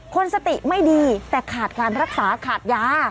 คนสติไม่ดีแต่ขาดการรักษาขาดยา